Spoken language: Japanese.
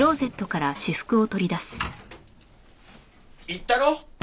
言ったろ？